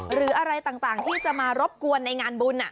หรืออะไรต่างที่จะมารบกวนในงานบุญ